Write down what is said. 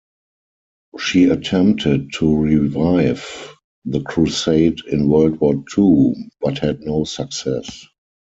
She attempted to revive the crusade in World War Two, but had no success.